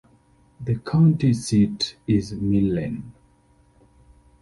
The county seat is Millen.